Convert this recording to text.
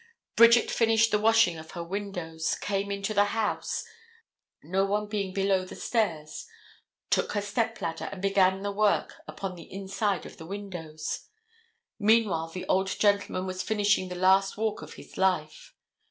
Bridget finished the washing of her windows, came into the house, no one being below the stairs, took her step ladder and began the work upon the inside of the windows. Meanwhile the old gentleman was finishing the last walk of his life.